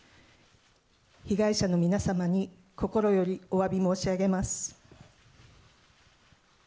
被害者の皆様に心よりおわび申し上げます。